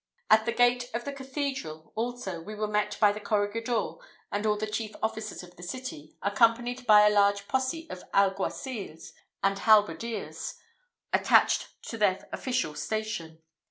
At the gate of the cathedral, also, we were met by the corregidor and all the chief officers of the city, accompanied by a large posse of alguacils and halberdiers attached to their official station.